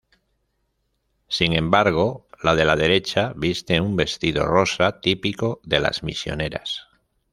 Sin embargo, la de la derecha viste un vestido rosa típico de las misioneras.